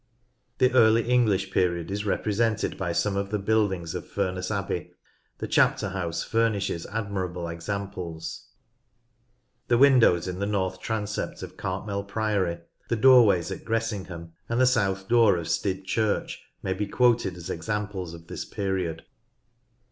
The Early English period is represented by some of the buildings of Furness Abbey: the Chapter House furnishes admirable examples. The windows in the north transept of Cartmel Priory, the doorway at Gressing ham, and the south door of Styd Church may be quoted as examples of this period.